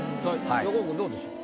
横尾君どうでしょう？